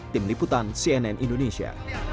tim liputan cnn indonesia